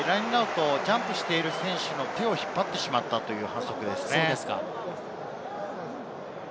ジャンプしている選手の手を引っ張ってしまったという反則ですね。